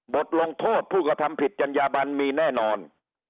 บทลงโทษผู้กระทำผิดจัญญาบันมีแน่นอน